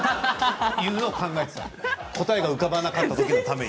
笑い声答えが浮かばなかったときのために。